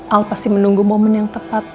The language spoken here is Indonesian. al pasti menunggu momen yang tepat